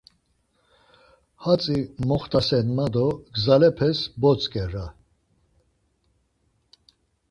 Hatzi moxtasen ma do gzalepes botzǩer aa...